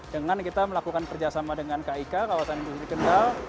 dengan kita melakukan kerjasama dengan kik kawasan industri kendal